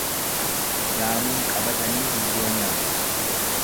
Daamuun qabatanii biyyoo nyaatu.